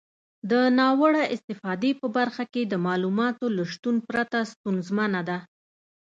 د ناوړه استفادې په برخه کې د معلوماتو له شتون پرته ستونزمنه ده.